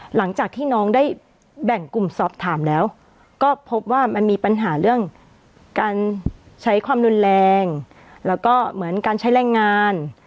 หลังจากที่น้องได้แบ่งกลุ่มสอบถามแล้วก็พบว่ามันมีปัญหาเรื่องการใช้ความรุนแรงแล้วก็เหมือนการใช้แรงงาน